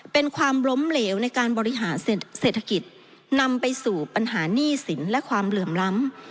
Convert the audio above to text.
เป็นความล้มเหลวในการบริหารเศรษฐกิจนำไปสู่ปัญหาหนี้สินและความเหลื่อมล้ำ